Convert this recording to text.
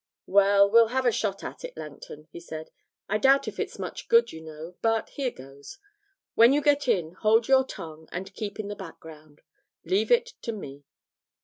'Well, we'll have a shot at it, Langton,' he said. 'I doubt if it's much good, you know, but here goes when you get in, hold your tongue and keep in the background leave it to me.'